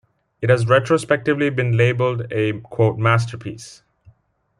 It has retrospectively been labelled a "masterpiece".